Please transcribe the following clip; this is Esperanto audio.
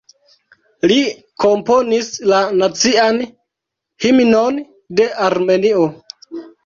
Li komponis la Nacian Himnon de Armenio.